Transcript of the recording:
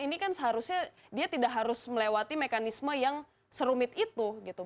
ini kan seharusnya dia tidak harus melewati mekanisme yang serumit itu gitu